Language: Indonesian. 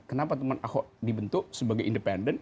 kenapa teman ahok dibentuk sebagai independen